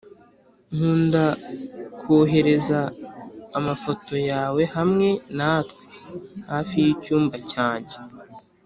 nkunda kohereza amafoto yawe hamwe natwe hafi yicyumba cyanjye